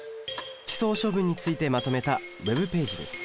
地層処分についてまとめたＷｅｂページです。